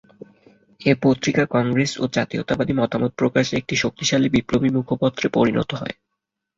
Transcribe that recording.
এ পত্রিকা কংগ্রেস ও জাতীয়তাবাদী মতামত প্রকাশে একটি শক্তিশালী বিপ্লবী মুখপত্রে পরিণত হয়।